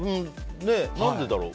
何でだろう。